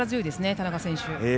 田中選手。